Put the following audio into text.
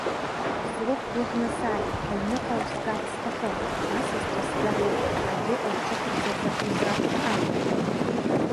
Суқәгәыӷны сааит, аҩныҟа усгарц сҭахын, асасцәа сзаауеит ргәы урҿыхарц азы узгап ҳәа акәын…